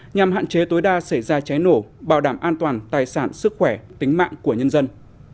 nhằm hạn chế tối đa xảy ra cháy nổ bảo đảm an toàn tài sản sức khỏe tính mạng của nhân dân